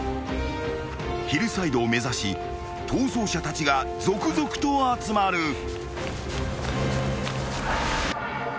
［ヒルサイドを目指し逃走者たちが続々と集まる］